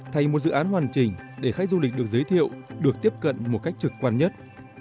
thành một dự án hoàn chỉnh để khách du lịch được giới thiệu được tiếp cận một cách trực quan nhất